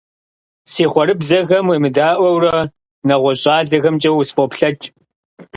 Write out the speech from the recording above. Си хъуэрыбзэхэм уемыдаӀуэурэ, нэгъуэщӀ щӀалэхэмкӀэ усфӀоплъэкӀ.